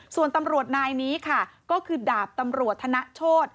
ส่วนตำรวจนายนี้ค่ะก็คือดาบตำรวจธนโชธ